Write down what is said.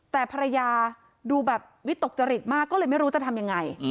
แต่ภรรยาดูแบบวิตกจริตมากก็เลยไม่รู้จะทำยังไง